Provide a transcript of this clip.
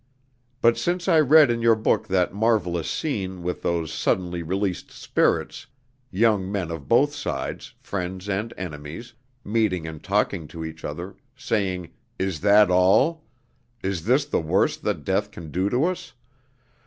But since I read in your book that marvelous scene with those suddenly released spirits young men of both sides, friends and enemies, meeting and talking to each other, saying, 'Is this all?' 'Is this the worst that death can do to us?'